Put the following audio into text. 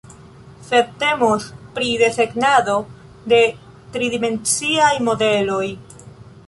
sed temos pri desegnado de tridimenciaj modeloj